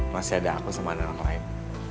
masih ada aku sama anak anak lain